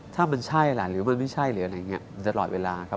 ถ้ามันใช่ล่ะหรือมันไม่ใช่หรืออะไรอย่างนี้ตลอดเวลาครับ